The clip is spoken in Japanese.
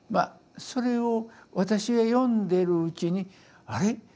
それを私が読んでるうちに「あれ？